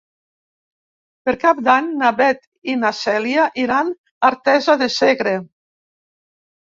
Per Cap d'Any na Beth i na Cèlia iran a Artesa de Segre.